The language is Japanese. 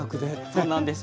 そうなんです。